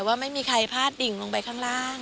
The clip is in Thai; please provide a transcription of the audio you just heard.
แดดว่าไม่มีใครภาพติดลงไปข้างล่าง